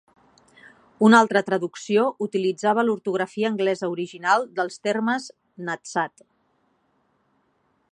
Una altra traducció utilitzava l'ortografia anglesa original dels termes Nadsat.